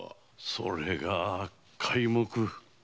それが皆目。